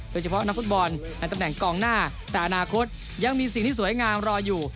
โดยเฉพาะนักฟุตบอลในตำแหน่งกองหน้าแต่อนาคตยังมีสิ่งที่สวยงามรออยู่